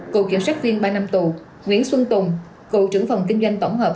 cựu kiểm sát viên ba năm tù nguyễn xuân tùng cựu trưởng phòng kinh doanh tổng hợp